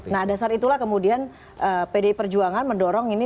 nah dasar itulah kemudian pdi perjuangan mendorong ini